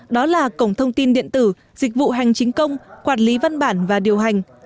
đó là cổng thông tin điện tử dịch vụ hành chính công quản lý văn bản và điều hành